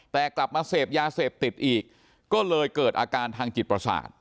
แต่กลับมาเสพยาเสพติดอีกก็เลยเกิดอาการทางจิตประสาท